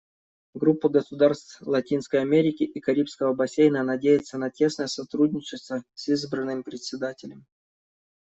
Группа государств Латинской Америки и Карибского бассейна надеется на тесное сотрудничество с избранным Председателем.